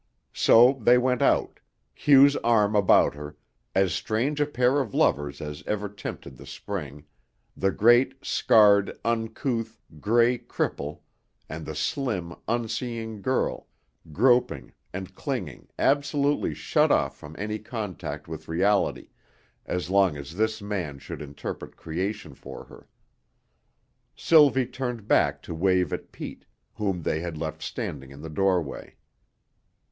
So they went out, Hugh's arm about her, as strange a pair of lovers as ever tempted the spring the great, scarred, uncouth, gray cripple and the slim, unseeing girl, groping and clinging, absolutely shut off from any contact with reality as long as this man should interpret creation for her. Sylvie turned back to wave at Pete, whom they had left standing in the doorway.